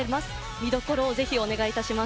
見どころをぜひお願いします。